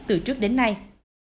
từ trước đến nay